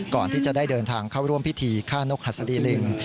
ก่อนที่จะได้เดินทางเข้าร่วมพิธีฆ่านกหัสดีลิง